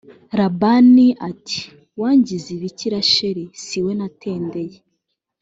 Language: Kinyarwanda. labani ati wangize ibiki rasheli si we natendeye